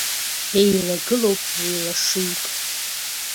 Еилагылоуп еилашыҩк.